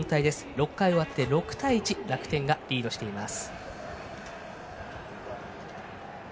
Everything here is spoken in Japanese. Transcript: ６回終わって、６対１楽天がリードしています。